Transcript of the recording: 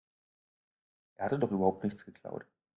Er hatte doch überhaupt nichts geklaut.